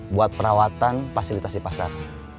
buat perawatan fasilitasi pasar